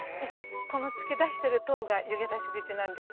この突き出してる塔が湯気出し口なんです。